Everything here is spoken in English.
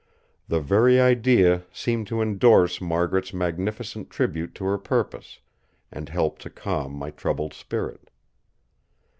The very idea seemed to endorse Margaret's magnificent tribute to her purpose, and helped to calm my troubled spirit.